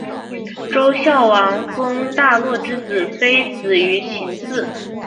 周孝王封大骆之子非子于秦邑。